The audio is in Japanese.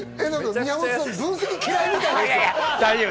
宮本さん、分析嫌いみたい。